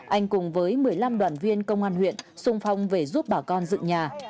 anh cùng với một mươi năm đoàn viên công an huyện sung phong về giúp bà con dựng nhà